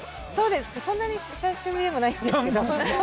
そんなに久しぶりでもないんですけど。